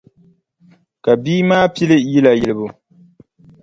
Ka bia maa pili yila yilibu.